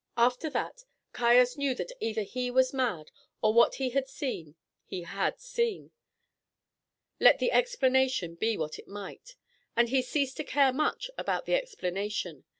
After that, Caius knew that either he was mad or what he had seen he had seen, let the explanation be what it might and he ceased to care much about the explanation.